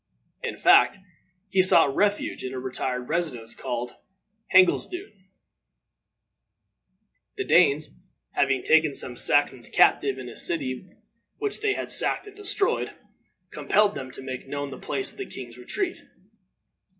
In fact, he sought refuge in a retired residence called Heglesdune. The Danes, having taken some Saxons captive in a city which they had sacked and destroyed, compelled them to make known the place of the king's retreat.